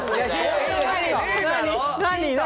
何？